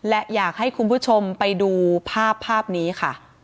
และอยากให้คุณผู้ชมไปดูภาพภาพนี้ค่ะ